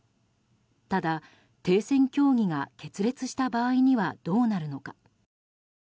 ただ、停戦協議が決裂した場合にはどうなるのか。